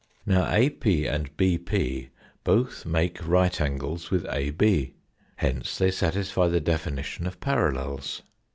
Now AP and BP both make right angles with AB. Hence they satisfy the Fig. 33. definition of parallels.